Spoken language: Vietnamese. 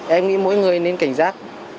em nghĩ mỗi người nên cảnh giác